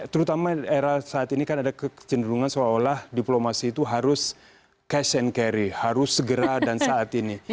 terutama sekarang karena dipolomasi itu harus segera dan saat ini